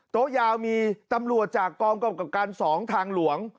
โต๊ะยาวมีตำรวจจากกองกำกับการ๒ทางหลวง